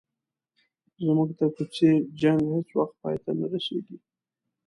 زموږ د کوڅې جنګ هیڅ وخت پای ته نه رسيږي.